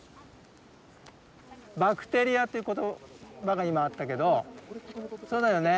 バクテリアっていう言葉が今あったけどそうだよね